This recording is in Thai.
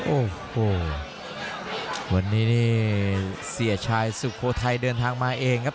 โอ้โหวันนี้นี่เสียชายสุโขทัยเดินทางมาเองครับ